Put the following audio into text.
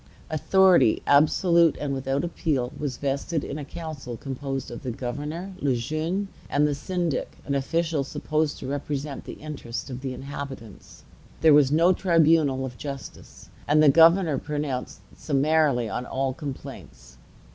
Authority, absolute and without appeal, was vested in a council composed of the governor, Le Jeune, and the syndic, an official supposed to represent the interests of the inhabitants. There was no tribunal of justice, and the governor pronounced summarily on all complaints.